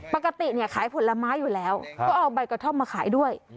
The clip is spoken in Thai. ปกติเนี่ยขายผลไม้อยู่แล้วก็เอาใบกระท่อมมาขายด้วย